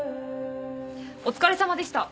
お疲れさまでした。